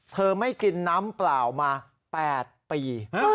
เธอไม่กินน้ำเปล่ามาแปดปี